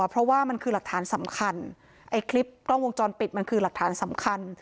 เพราะว่ามันคือหลักฐานสำคัญไอ้คลิปกล้องวงจรปิดมันคือหลักฐานสำคัญ